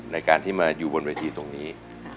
ในการที่มาอยู่บนเวทีตรงนี้